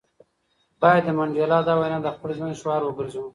باید د منډېلا دا وینا د خپل ژوند شعار وګرځوو.